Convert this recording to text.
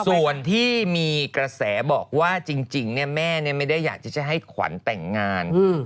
ส่วนที่มีกระแสบอกว่าจริงแม่ไม่ได้อยากจะให้ขวัญแต่งงาน